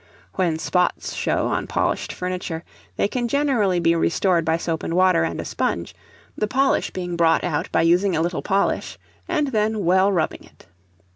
When spots show on polished furniture, they can generally be restored by soap and water and a sponge, the polish being brought out by using a little polish, and then well rubbing it.